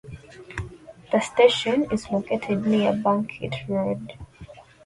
The station is located near Bangkit Road.